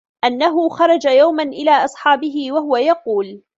أَنَّهُ خَرَجَ يَوْمًا إلَى أَصْحَابِهِ وَهُوَ يَقُولُ